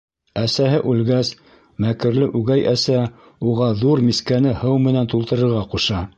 Әсәһе үлгәс, мәкерле үгәй әсә уға ҙур мискәне һыу менән тултырырға ҡуша.